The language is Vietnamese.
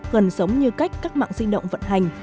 gần giống như cách các mạng di động vận hành